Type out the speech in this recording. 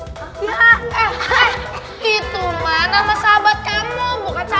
itu mah nama sahabat kamu